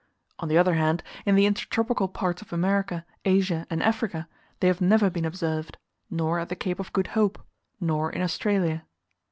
On the other hand, in the intertropical parts of America, Asia, and Africa, they have never been observed; nor at the Cape of Good Hope, nor in Australia.